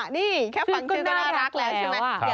นี่แค่ฟังชื่อก็น่ารักแล้วใช่ไหม